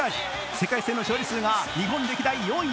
世界戦の勝利数が日本歴代４位